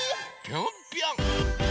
ぴょんぴょん！